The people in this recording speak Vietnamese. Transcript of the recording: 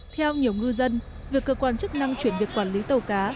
theo nhiều ngư dân việc cơ quan chức năng chuyển việc quản lý tàu cá